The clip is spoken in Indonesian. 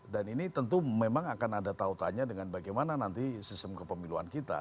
dan ini tentu memang akan ada tautannya dengan bagaimana nanti sistem kepemiluan kita